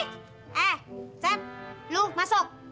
cepi eh cep lu masuk